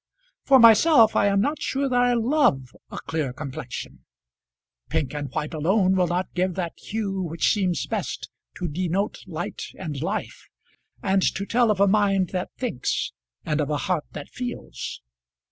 For myself I am not sure that I love a clear complexion. Pink and white alone will not give that hue which seems best to denote light and life, and to tell of a mind that thinks and of a heart that feels.